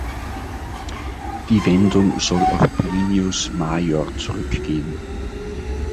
Die Wendung soll auf Plinius maior zurückgehen.